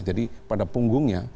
jadi pada punggungnya